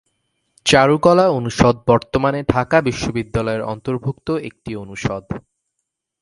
চারুকলা অনুষদ বর্তমানে ঢাকা বিশ্ববিদ্যালয়ের অন্তর্ভুক্ত একটি অনুষদ।